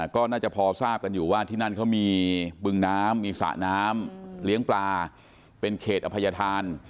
ก็น่าจะพอทราบกันอยู่ว่าที่นั่นเขามีบึงน้ำมีสระน้ำเลี้ยงปลาเป็นเขตอภัยธาน